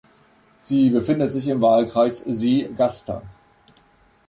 Sie befindet sich im Wahlkreis See-Gaster.